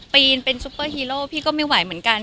ปีนเป็นซุปเปอร์ฮีโร่พี่ก็ไม่ไหวเหมือนกัน